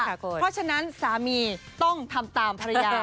เพราะฉะนั้นสามีต้องทำตามภรรยา